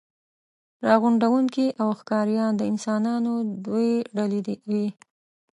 راغونډوونکي او ښکاریان د انسانانو دوې ډلې وې.